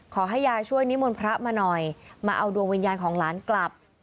ขอให้ยายช่วยนิมนต์พระมาหน่อยมาเอาดวงวิญญาณของหลานกลับ